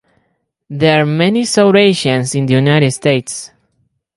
There are many South Asians in the United States.